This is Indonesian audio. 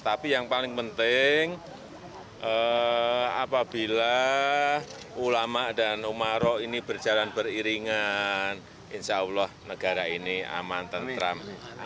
tapi yang paling penting apabila ulama dan umaro ini berjalan beriringan insya allah negara ini aman tentram